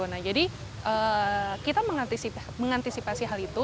nah jadi kita mengantisipasi hal itu